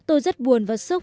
tôi rất buồn và sốc